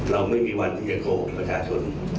เราไม่มีวันที่จะโกหกประชาชน